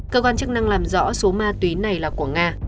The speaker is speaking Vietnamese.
cơ quan chức năng làm rõ số ma túy này là của nga